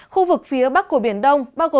khu vực phía bắc của biển đông